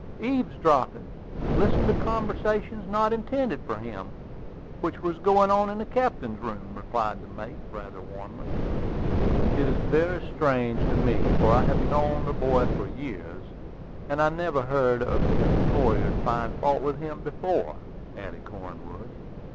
"Eavesdropping; listening to conversation not intended for him, which was going on in the captain's room," replied the mate, rather warmly. "It is very strange to me, for I have known the boy for years, and I never heard any of his employers find fault with him before," added Cornwood.